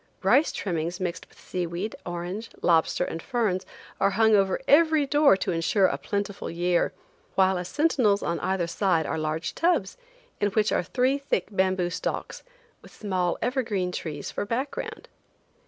Rice trimmings mixed with sea weed, orange, lobster and ferns are hung over every door to insure a plentiful year, while as sentinels on either side are large tubs, in which are three thick bamboo stalks, with small evergreen trees for background.